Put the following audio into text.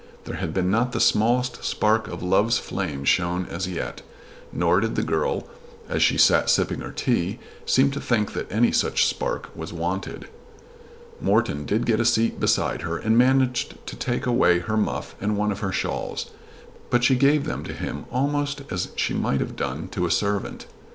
There had not been the smallest spark of love's flame shown as yet, nor did the girl as she sat sipping her tea seem to think that any such spark was wanted. Morton did get a seat beside her and managed to take away her muff and one of her shawls, but she gave them to him almost as she might have done to a servant.